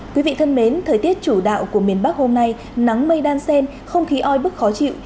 quý vị thân mến thời tiết chủ đạo của miền bắc hôm nay nắng mây đan sen không khí oi bức khó chịu